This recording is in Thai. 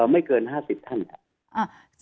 ไม่เกิน๕๐ท่านครับ